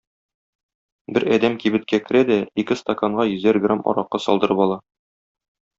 Бер әдәм кибеткә керә дә, ике стаканга йөзәр грамм аракы салдырып ала.